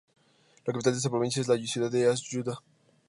La capital de esta provincia es la ciudad de As-Suwayda.